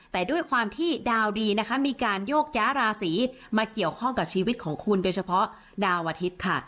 แต่ด้วยความที่ดาวดีนะคะมีการโยกย้าราศีมาเกี่ยวข้องกับชีวิตของคุณโดยเฉพาะดาวอาทิตย์ค่ะ